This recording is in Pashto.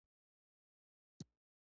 موږ دواړو سیلانیانو تېر پر هېر وشمېره.